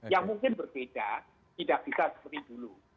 yang mungkin berbeda tidak bisa seperti dulu